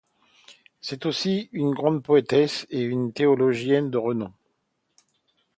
C'était aussi une grande poétesse et une théologienne de renom.